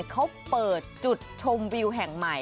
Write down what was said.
เขาเปิดจุดชมวิวแห่งใหม่